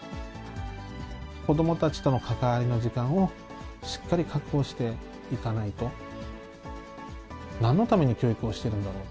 子どもたちとの関わりの時間をしっかり確保していかないと、なんのために教育をしてるんだろう。